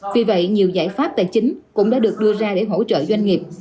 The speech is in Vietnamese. vì vậy nhiều giải pháp tài chính cũng đã được đưa ra để hỗ trợ doanh nghiệp